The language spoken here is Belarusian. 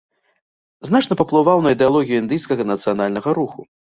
Значна паўплываў на ідэалогію індыйскага нацыянальнага руху.